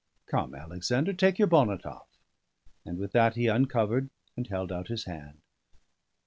Come, Alexander, take your bonnet off." And with that he uncovered, and held out his hand.